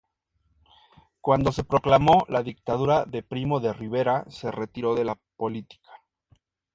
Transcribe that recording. Cuando se proclamó la dictadura de Primo de Rivera se retiró de la política.